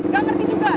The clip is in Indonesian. gak ngerti juga